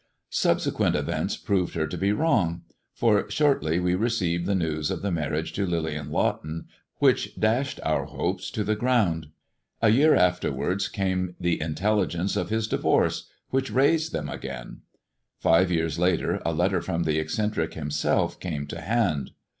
Subsequent events proved her to be wrong, for shortly we received the news of the marriage to Lillian Lawton, which dashed our hopes to the ground. A year afterwards came 198 THE DEAD MAN'S DIAMONDS the intelligence of his divorce, which raised them again. '■ Five years later a letter from the eccentric himself came to hand.